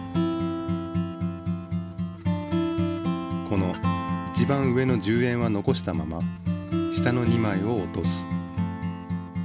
この一番上の１０円は残したまま下の２まいを落とす。